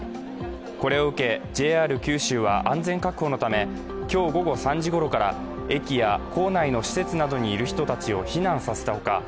これを受け、ＪＲ九州は安全確保のため今日午後３時頃から駅や構内の施設などにいる人を避難させたほか